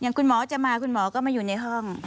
คุณหมอจะมาคุณหมอก็มาอยู่ในห้อง